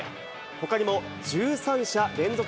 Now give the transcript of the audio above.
ほかにも１３者連続